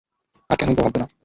আর কেনই বা ভাববে না?